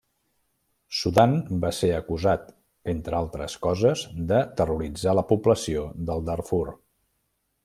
Sudan va ser acusat, entre altres coses, de terroritzar la població del Darfur.